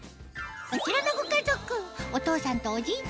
こちらのご家族